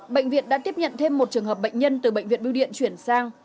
bệnh viện đã tiếp nhận thêm một trường hợp bệnh nhân từ bệnh viện biêu điện chuyển sang